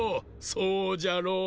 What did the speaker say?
そうじゃろう。